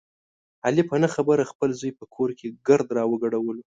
علي په نه خبره خپل زوی په کور کې ګرد را وګډولو.